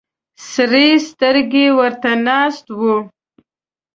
سرې سترګې ورته ناست وي.